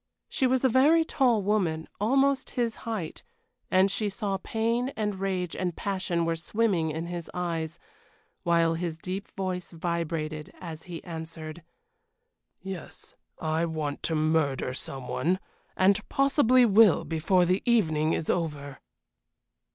She was a very tall woman, almost his height, and she saw pain and rage and passion were swimming in his eyes, while his deep voice vibrated as he answered: "Yes, I want to murder some one and possibly will before the evening is over."